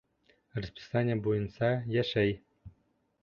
Расписание буйынса йәшәй.